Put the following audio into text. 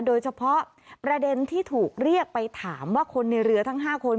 โดยเฉพาะประเด็นที่ถูกเรียกไปถามว่าคนในเรือทั้ง๕คน